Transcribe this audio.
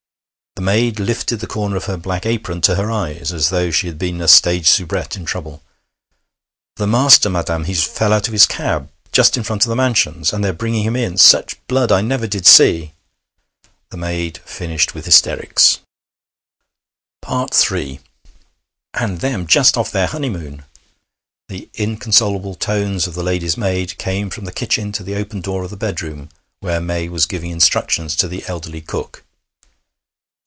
The maid lifted the corner of her black apron to her eyes, as though she had been a stage soubrette in trouble. 'The master, madam! He's fell out of his cab just in front of the mansions and they're bringing him in such blood I never did see!' The maid finished with hysterics. III 'And them just off their honeymoon!' The inconsolable tones of the lady's maid came from the kitchen to the open door of the bedroom, where May was giving instructions to the elderly cook.